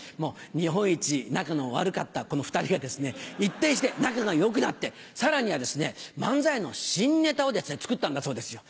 日本一仲の悪かったこの２人がですね一転して仲が良くなってさらには漫才の新ネタを作ったんだそうですよ。